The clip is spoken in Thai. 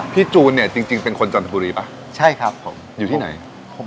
จูนเนี่ยจริงเป็นคนจันทบุรีป่ะใช่ครับผมอยู่ที่ไหน